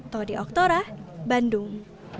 todi oktora bandung